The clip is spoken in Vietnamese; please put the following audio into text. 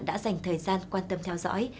đã dành thời gian quan tâm theo dõi